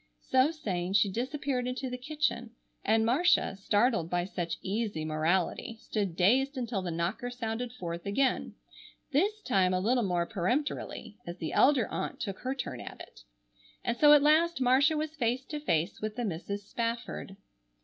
So saying, she disappeared into the kitchen; and Marcia, startled by such easy morality, stood dazed until the knocker sounded forth again, this time a little more peremptorily, as the elder aunt took her turn at it. And so at last Marcia was face to face with the Misses Spafford.